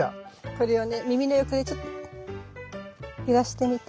これをね耳の横でちょっと揺らしてみて。